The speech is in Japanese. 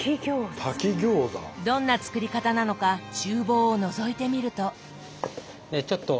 どんな作り方なのか厨房をのぞいてみると。